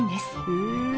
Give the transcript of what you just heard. へえ。